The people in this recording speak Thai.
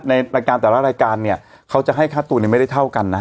ในรายการแต่ละรายการเนี่ยเขาจะให้ค่าตัวเนี่ยไม่ได้เท่ากันนะ